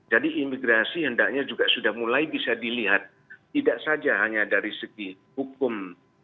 jadi imigrasi hendaknya juga sudah mulai bisa dilihat tidak saja hanya dari segi hukum